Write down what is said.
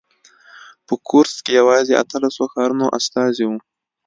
په کورتس کې یوازې اتلسو ښارونو استازي وو.